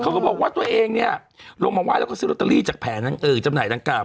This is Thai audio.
เขาก็บอกว่าตัวเองเนี่ยลงมาไหว้แล้วก็ซื้อลอตเตอรี่จากแผ่นทั้งเอ่ยจำหน่ายทั้งกราบ